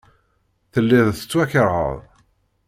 Telliḍ tettwakeṛheḍ.